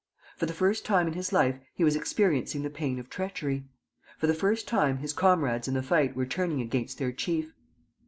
For the first time in his life he was experiencing the pain of treachery. For the first time his comrades in the fight were turning against their chief.